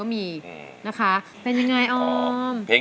แฟนชาวบ้าน